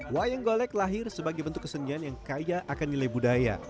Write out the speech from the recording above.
wayang golek lahir sebagai bentuk kesenian yang kaya akan nilai budaya